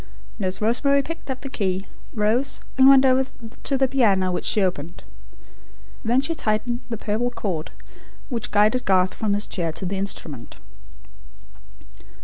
Nurse Rosemary picked up the key, rose, and went over to the piano, which she opened. Then she tightened the purple cord, which guided Garth from his chair to the instrument.